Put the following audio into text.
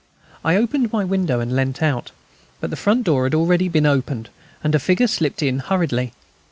I opened my window, and leant out. But the front door had already been opened, and a figure slipped in hurriedly.